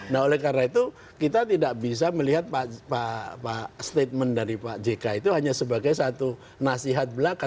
nah oleh karena itu kita tidak bisa melihat statement dari pak jk itu hanya sebagai satu nasihat belaka